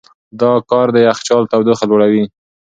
دا کار د یخچال تودوخه لوړوي.